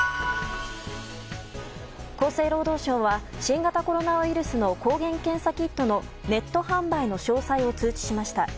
厚生労働省は新型コロナウイルスの抗原検査キットのネット販売の詳細を通知しました。